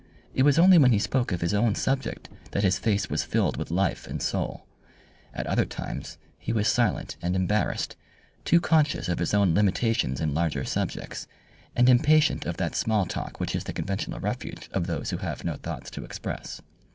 It was only when he spoke of his own subject that his face was filled with life and soul. At other times he was silent and embarrassed, too conscious of his own limitations in larger subjects, and impatient of that small talk which is the conventional refuge of those who have no thoughts to express.